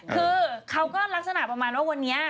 คือเขาก็ลักษณะประมาณว่าวันนี้